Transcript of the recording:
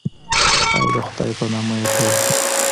او د خدای په نامه یې پیل کړئ.